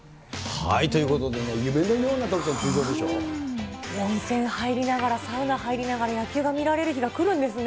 ということでね、夢のような徳ちゃん、温泉入りながら、サウナ入りながら野球が見られる日が来るんですね。